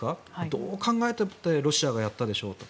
どう考えたってロシアがやったでしょうと。